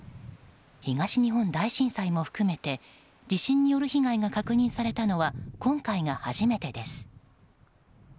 東日本大震災も含めて地震による被害が確認されたのは今回が初めてです。